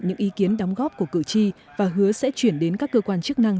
những ý kiến đóng góp của cử tri và hứa sẽ chuyển đến các cơ quan chức năng